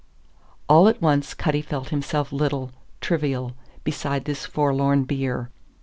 All at once Cutty felt himself little, trivial, beside this forlorn bier.